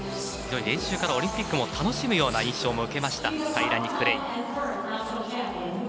練習からオリンピックを楽しむような印象も受けましたカイラニ・クレイン。